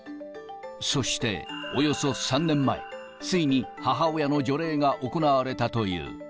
そして、およそ３年前、ついに母親の除霊が行われたという。